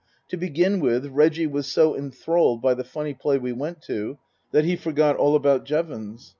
To begin with, Reggie was so enthralled by the funny play we went to that he forgot all about Jevons.